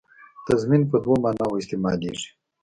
تضمین په دوو معناوو استعمالېږي.